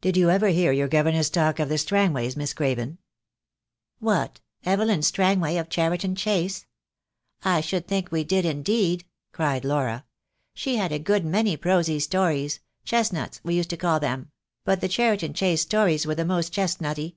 "Did you ever hear your governess talk of the Strang ways, Miss Craven?" "What, Evelyn Strangway, of Cheriton Chase? I should think we did, indeed," cried Laura. "She had a good many prosy stories — chestnuts, we used to call them — but the Cheriton Chase stories were the most chest nutty.